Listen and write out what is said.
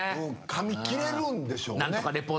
かみ切れるんでしょうね。